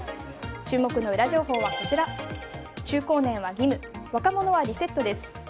注目のウラ情報は中高年は義務若者はリセットです。